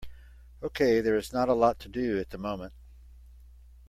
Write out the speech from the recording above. Okay, there is not a lot to do at the moment.